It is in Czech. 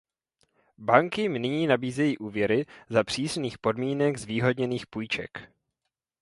Banky jim nyní nabízejí úvěry za přísných podmínek zvýhodněných půjček.